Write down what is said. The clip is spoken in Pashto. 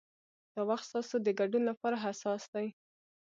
دا وخت ستاسو د ګډون لپاره حساس دی.